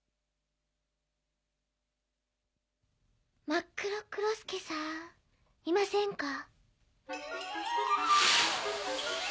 マックロクロスケさんいませんか？